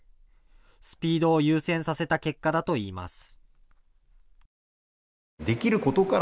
スピードを優先させた結果だといいます。